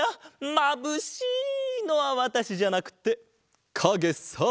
「まぶしい！」のはわたしじゃなくてかげさ！